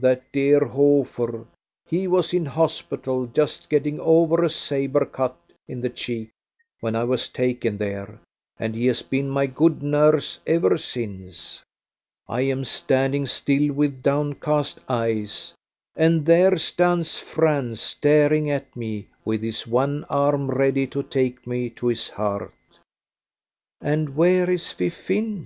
that dear Hofer, he was in hospital, just getting over a sabre cut in the cheek when I was taken there, and he has been my good nurse ever since." I am standing still, with downcast eyes, and there stands Franz staring at me, with his one arm ready to take me to his heart. "And where is Fifine?"